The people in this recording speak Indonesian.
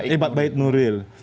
ibad bait nuril